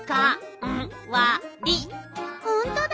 ほんとだ！